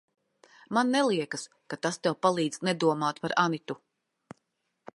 Man neliekas, ka tas tev palīdz nedomāt par Anitu.